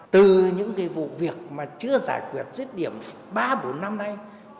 từ những vụ việc mà chưa giải quyết dứt điểm ba bốn năm nay